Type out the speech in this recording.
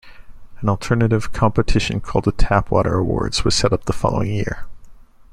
An alternative competition called the Tap Water Awards was set up the following year.